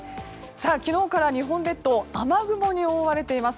昨日から日本列島雨雲に覆われています。